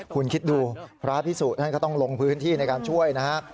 คุณคิดดูพระพิสุท่านก็ต้องลงพื้นที่ในการช่วยนะฮะ